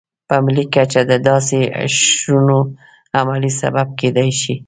په ملي کچه د داسې اشرونو عملي سبب کېدای شي.